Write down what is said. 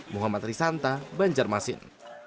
muhammad risanta banjarmasin